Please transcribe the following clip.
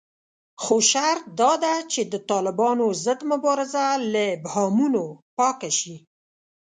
خو شرط داده چې د طالبانو ضد مبارزه له ابهامونو پاکه شي